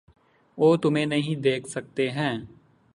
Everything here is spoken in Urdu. وہ تمہیں نہیں دیکھ سکتے ہیں۔